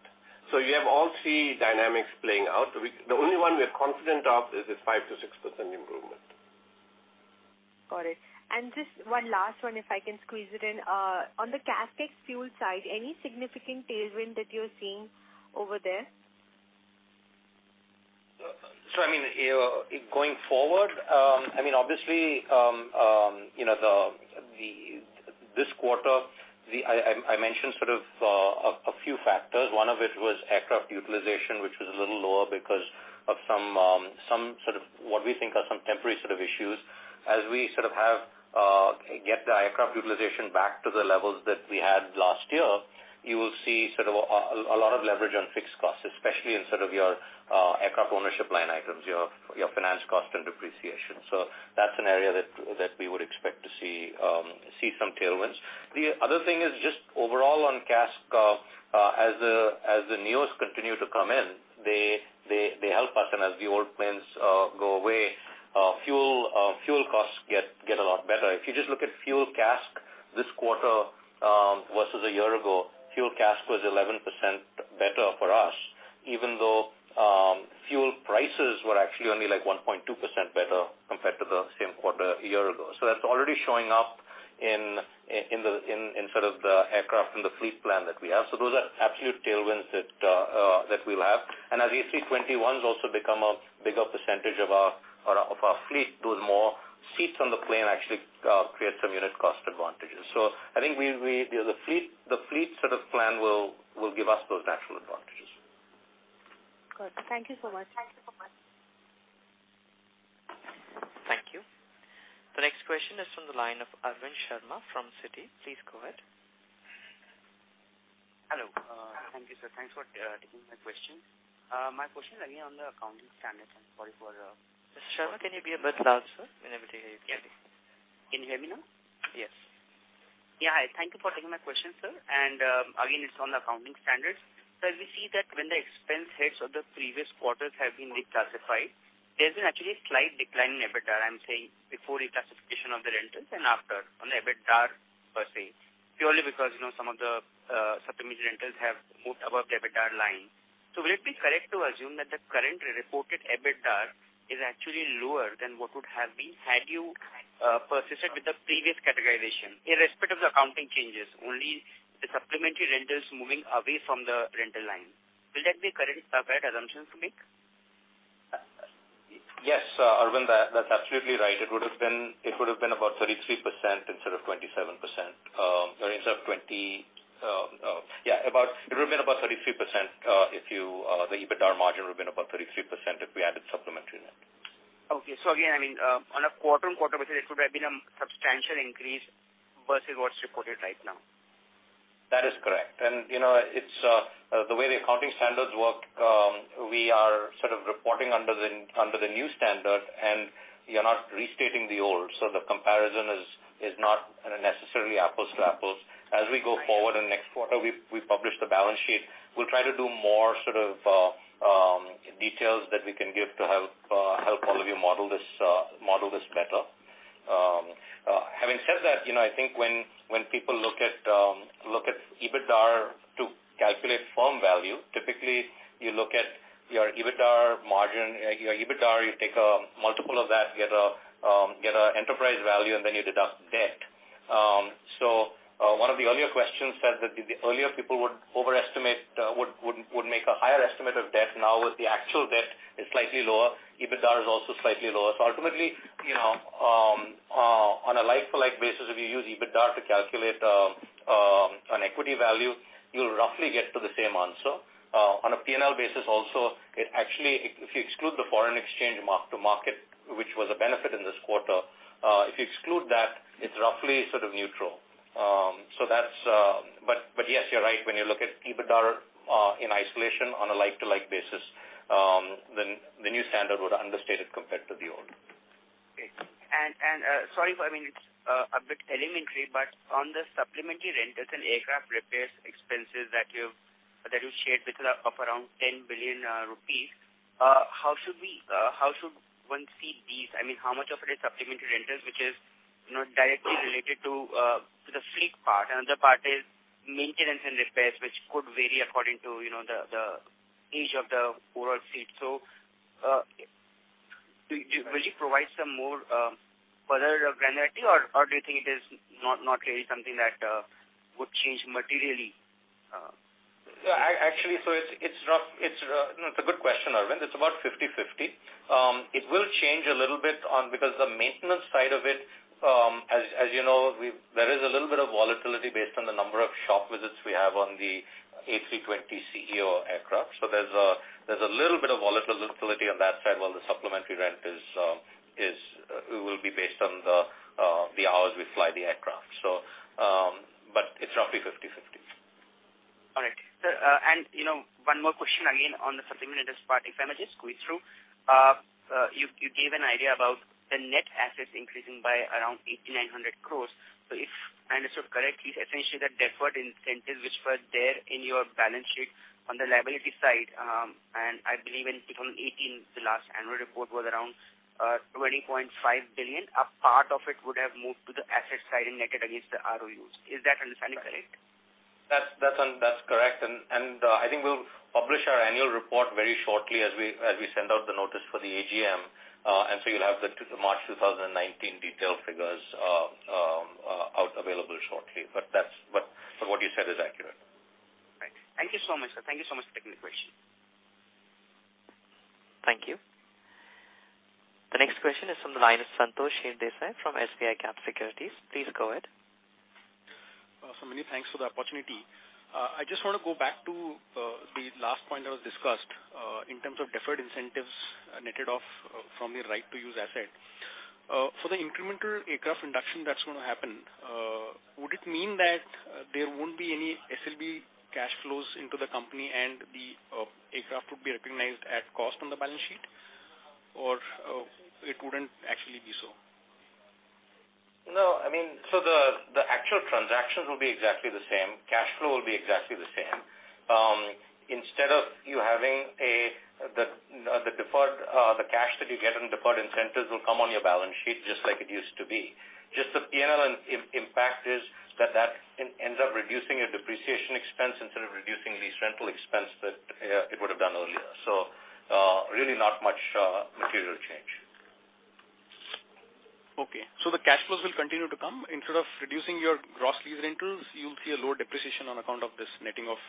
You have all three dynamics playing out. The only one we're confident of is a 5%-6% improvement. Got it. Just one last one, if I can squeeze it in. On the CASK fuel side, any significant tailwind that you're seeing over there? Going forward, obviously, this quarter, I mentioned a few factors. One of it was aircraft utilization, which was a little lower because of what we think are some temporary issues. As we get the aircraft utilization back to the levels that we had last year, you will see a lot of leverage on fixed costs, especially in your aircraft ownership line items, your finance cost, and depreciation. That's an area that we would expect to see some tailwinds. The other thing is just overall on CASK, as the neos continue to come in, they help us. As the old planes go away, fuel costs get a lot better. If you just look at fuel CASK this quarter versus a year ago, fuel CASK was 11% better for us, even though fuel prices were actually only 1.2% better compared to the same quarter a year ago. That's already showing up in the aircraft and the fleet plan that we have. Those are absolute tailwinds that we'll have. As A321s also become a bigger percentage of our fleet, those more seats on the plane actually create some unit cost advantages. I think the fleet plan will give us those natural advantages. Got it. Thank you so much. Thank you. The next question is from the line of Arvind Sharma from Citi. Please go ahead. Hello. Thank you, sir. Thanks for taking my question. My question again on the accounting standards. I'm sorry. Sharma, can you be a bit louder, sir? We're not able to hear you clearly. Can you hear me now? Yes. Yeah. Thank you for taking my question, sir. Again, it's on the accounting standards. As we see that when the expense hits of the previous quarters have been reclassified, there's been actually a slight decline in EBITDAR, I'm saying before reclassification of the rentals and after on the EBITDAR per se. Purely because some of the supplementary rentals have moved above the EBITDAR line. Would it be correct to assume that the current reported EBITDAR is actually lower than what would have been had you persisted with the previous categorization, irrespective of the accounting changes, only the supplementary rentals moving away from the rental line. Will that be a correct assumption to make? Yes, Arvind, that's absolutely right. It would've been about 33% instead of 27%. It would've been about 33%, the EBITDAR margin would've been about 33% if we added supplementary rent. Okay. Again, on a quarter-on-quarter basis, it would have been a substantial increase versus what's reported right now. That is correct. The way the accounting standards work, we are reporting under the new standard, and we are not restating the old. The comparison is not necessarily apples to apples. As we go forward in next quarter, we publish the balance sheet. We'll try to do more details that we can give to help all of you model this better. Having said that, I think when people look at EBITDAR to calculate firm value, typically you look at your EBITDAR margin, your EBITDAR, you take a multiple of that, you get an enterprise value, and then you deduct debt. One of the earlier questions said that earlier people would make a higher estimate of debt. Now with the actual debt is slightly lower. EBITDAR is also slightly lower. Ultimately, on a like-to-like basis, if you use EBITDAR to calculate an equity value, you'll roughly get to the same answer. On a P&L basis also, if you exclude the foreign exchange mark-to-market, which was a benefit in this quarter, if you exclude that, it's roughly neutral. Yes, you're right. When you look at EBITDAR in isolation on a like-to-like basis, then the new standard would understate it compared to the old. Okay. Sorry for, it's a bit elementary, but on the supplementary rentals and aircraft repairs expenses that you shared, which are up around 10 billion rupees, how should one see these? How much of it is supplementary rentals, which is not directly related to the fleet part? Another part is maintenance and repairs, which could vary according to the age of the overall fleet. Will you provide some more further granularity, or do you think it is not really something that would change materially? Actually, it's a good question, Arvind. It's about 50/50. It will change a little bit because the maintenance side of it, as you know, there is a little bit of volatility based on the number of shop visits we have on the A320ceo aircraft. There's a little bit of volatility on that side while the supplementary rent will be based on the hours we fly the aircraft. It's roughly 50/50. All right. Sir, one more question again on the supplementary part, if I may just squeeze through. You gave an idea about the net assets increasing by around 8,900 crore. If I understood correctly, essentially the deferred incentives which were there in your balance sheet. On the liability side, and I believe in 2018, the last annual report was around 20.5 billion. A part of it would have moved to the asset side and net it against the ROUs. Is that understanding correct? That's correct. I think we'll publish our annual report very shortly as we send out the notice for the AGM, you'll have the March 2019 detailed figures out available shortly. What you said is accurate. Right. Thank you so much, sir. Thank you so much for taking the question. Thank you. The next question is from the line of Santhosh Hiredesai from SBICAP Securities. Please go ahead. Santhosh, many thanks for the opportunity. I just want to go back to the last point that was discussed in terms of deferred incentives netted off from your right to use asset. For the incremental aircraft induction that's going to happen, would it mean that there won't be any SLB cash flows into the company and the aircraft would be recognized at cost on the balance sheet, or it wouldn't actually be so? No. The actual transactions will be exactly the same. Cash flow will be exactly the same. Instead of you having the cash that you get on deferred incentives will come on your balance sheet just like it used to be. Just the P&L impact is that ends up reducing your depreciation expense instead of reducing the rental expense that it would have done earlier. Really not much material change. Okay. The cash flows will continue to come. Instead of reducing your gross lease rentals, you'll see a lower depreciation on account of this netting off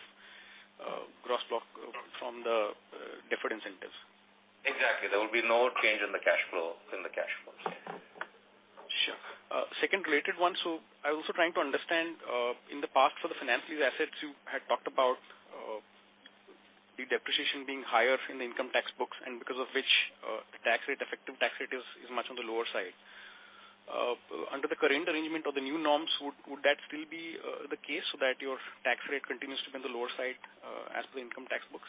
gross block from the deferred incentives. Exactly. There will be no change in the cash flow. Sure. Second related one. I'm also trying to understand, in the past, for the finances assets you had talked about the depreciation being higher in the income tax books and because of which the effective tax rate is much on the lower side. Under the current arrangement of the new norms, would that still be the case so that your tax rate continues to be on the lower side as per the income tax books?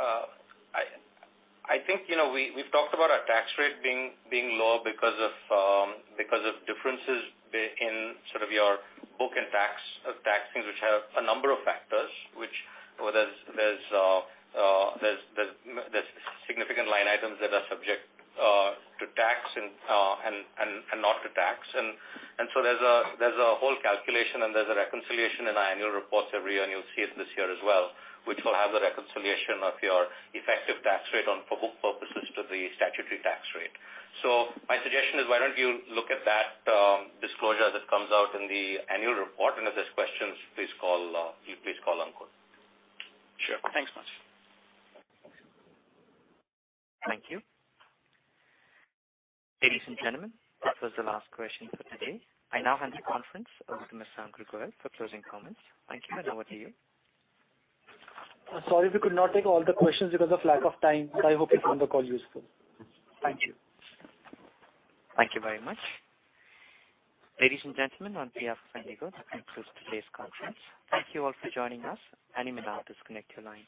I think we've talked about our tax rate being low because of differences in sort of your book and tax things which have a number of factors. There's significant line items that are subject to tax and not to tax. There's a whole calculation and there's a reconciliation in our annual reports every year, and you'll see it this year as well, which will have the reconciliation of your effective tax rate on book purposes to the statutory tax rate. My suggestion is why don't you look at that disclosure that comes out in the annual report? If there's questions, please call Ankur. Sure. Thanks much. Thank you. Ladies and gentlemen, that was the last question for today. I now hand the conference over to Mr. Ankur Goel for closing comments. Thank you, and over to you. Sorry we could not take all the questions because of lack of time, but I hope you found the call useful. Thank you. Thank you very much. Ladies and gentlemen, on behalf of IndiGo, that concludes today's conference. Thank you all for joining us. You may now disconnect your lines.